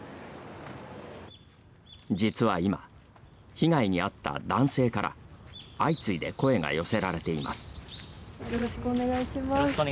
実は今、被害に遭った男性から相次いで声が寄せられています。